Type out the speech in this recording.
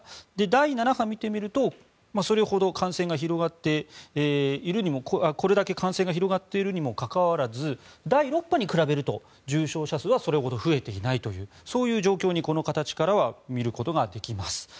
第７波を見てみるとこれだけ感染が広がっているにもかかわらず第６波に比べると重症者数はそれほど増えていないというそういう状況にこの形からは見ることができます。